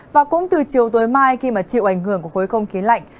và cũng từ chiều tối mai khi mà chịu ảnh hưởng của khối không khí lạnh